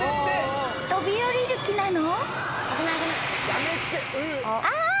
［飛び降りる気なの？］